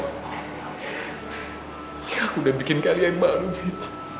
aku sudah bikin kalian malu fit